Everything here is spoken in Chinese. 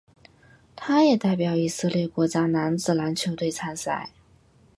他也代表以色列国家男子篮球队参赛。